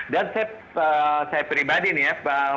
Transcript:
dan saya pribadi nih ya